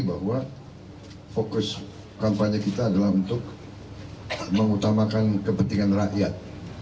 bahwa fokus kampanye kita adalah untuk mengutamakan kepentingan rakyat